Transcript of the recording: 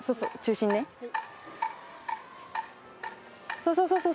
そうそうそうそう。